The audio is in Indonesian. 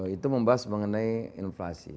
itu membahas mengenai inflasi